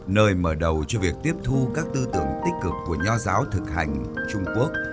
nơi mở đầu cho việc tiếp thu các tư tưởng tích cực của nho giáo thực hành trung quốc